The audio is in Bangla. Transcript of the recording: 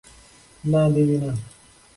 নাহ, দিদি না।